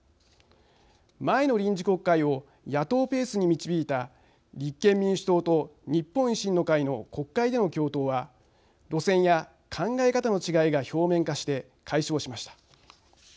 前の臨時国会を野党ペースに導いた立憲民主党と日本維新の会の国会での共闘は路線や考え方の違いが表面化して解消しました。